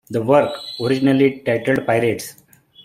The work, originally titled Pirates!